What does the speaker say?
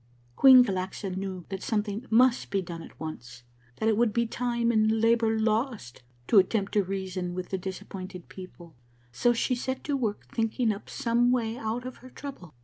" Queen Galaxa knew that something must be done at once ; that it would be time and labor lost to attempt to reason with the disappointed people, so she set to work thinking up some way out of her trouble.